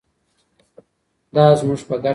دا زموږ په ګټه ده.